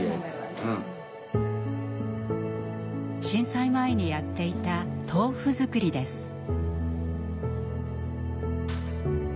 震災前にやっていた豆腐づくりです。